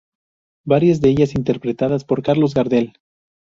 Varias de ellas interpretadas por Carlos Gardel.